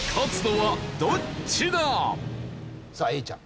さあ永依ちゃん。